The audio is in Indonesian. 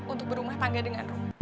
untuk berumah tangga dengan rumah